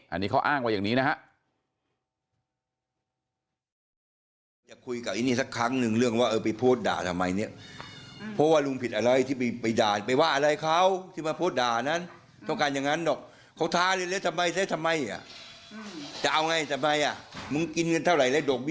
อันนี้เขาอ้างว่าอย่างนี้นะฮะ